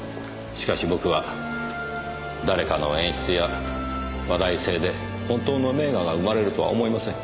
しかし僕は誰かの演出や話題性で本当の名画が生まれるとは思いません。